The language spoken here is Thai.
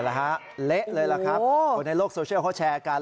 เหละละครับเหละเลยแหละครับคนในโลกโซเชียลเขาแฉกกัน